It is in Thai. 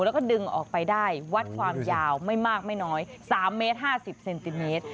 แล้วก็ดึงออกไปได้วัดความยาวไม่มากไม่น้อย๓เมตร๕๐เซนติเมตร